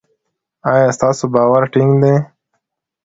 ایا ستاسو باور ټینګ دی؟